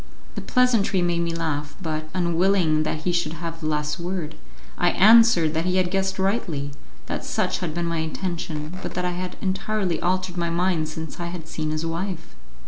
The pleasantry made me laugh, but, unwilling that he should have the last word, I answered that he had guessed rightly, that such had been my intention, but that I had entirely altered my mind since I had seen his wife.